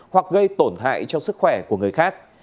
hoặc gây tổn hại cho sức khỏe của người khác